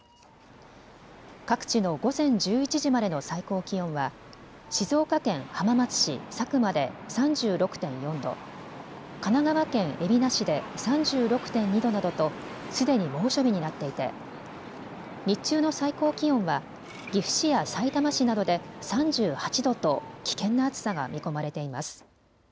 各地の午前１１時までの最高気温は静岡県浜松市佐久間で３６．４度、神奈川県海老名市で３６．２度などとすでに猛暑日になっていて日中の最高気温は岐阜市やさいたま市などで３８度と危険な暑さが見込まれています。